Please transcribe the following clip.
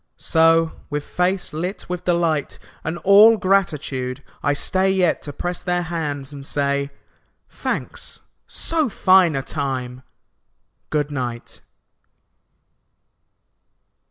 So, with face lit with delight And all gratitude, I stay Yet to press their hands and say, "Thanks. So fine a time ! Good night.